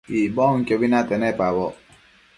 Icbonquiobi nate nepaboc